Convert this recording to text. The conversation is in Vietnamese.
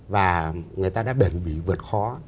và người ta đã bền bỉ vượt khó